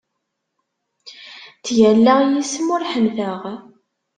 Ttgallaɣ yis-m ur ḥenteɣ.